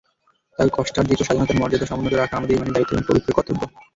তাই কষ্টার্জিত স্বাধীনতার মর্যাদা সমুন্নত রাখা আমাদের ইমানি দায়িত্ব এবং পবিত্র কর্তব্য।